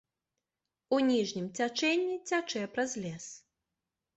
У ніжнім цячэнні цячэ праз лес.